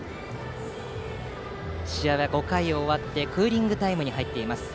試合は５回を終わってクーリングタイムに入っています。